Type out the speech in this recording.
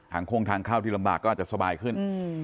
โค้งทางเข้าที่ลำบากก็อาจจะสบายขึ้น